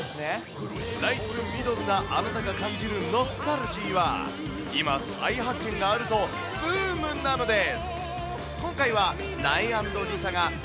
ナイスミドルなあなたが感じるノスタルジーは、今、再発見があると、ブームなのです。